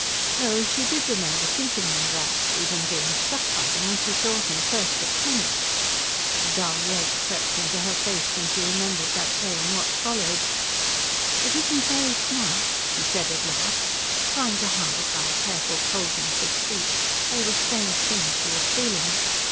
No; she did remember thinking them that, even being struck by them, when she saw him first in Kunitz. A dull red crept into her face when she remembered that day and what followed. "It isn't very snug," she said at last, trying to hide by a careful coldness of speech all the strange things she was feeling.